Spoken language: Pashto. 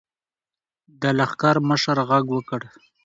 د لښکر مشر غږ وکړ.